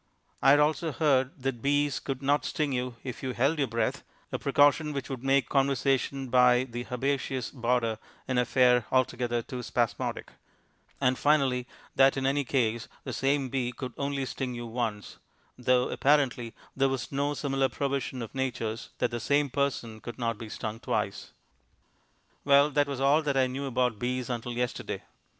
I had also heard that bees could not sting you if you held your breath, a precaution which would make conversation by the herbaceous border an affair altogether too spasmodic; and, finally, that in any case the same bee could only sting you once though, apparently, there was no similar provision of Nature's that the same person could not be stung twice. Well, that was all that I knew about bees until yesterday.